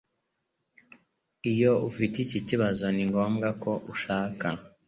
iyo ufite iki kibazo ni ngombwa ko ushaka